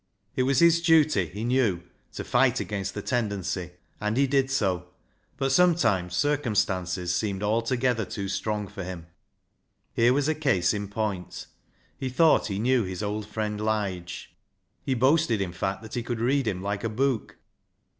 It was his duty, he knew, to fight against the tendency, and he did so, but sometimes circum stances seemed altogether too strong for him. Here was a case in point. He thought he knew his old friend Lige. He boasted, in fact, that he could read him like a book.